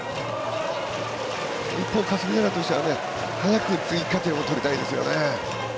一方、霞ヶ浦としては早く追加点を取りたいですよね。